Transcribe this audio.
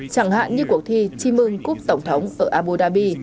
chẳng hạn như cuộc thi chim ưng cúp tổng thống ở abu dhabi